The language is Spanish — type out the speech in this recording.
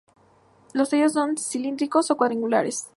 Los tallos son cilíndricos o cuadrangulares.